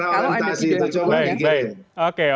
kalau ada video itu